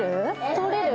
通れる？